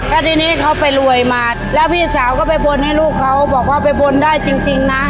แล้วทีนี้เขาไปรวยมาแล้วพี่สาวก็ไปบนให้ลูกเขาบอกว่าไปบนได้จริงนะ